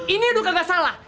ini udah gak salah